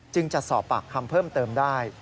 จะสอบปากคำเพิ่มเติมได้